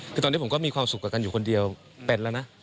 คือตอนนี้ผมก็มีความสุขกับกันอยู่คนเดียวเป็นแล้วนะ